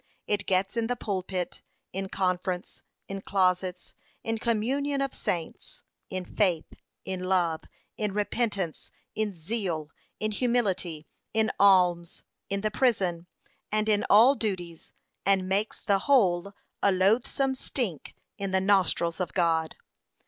It gets in the pulpit, in conference, in closets, in communion of saints, in faith, in love, in repentance, in zeal, in humility, in alms, in the prison, and in all duties, and makes the whole a loathsome stink in the nostrils of God.'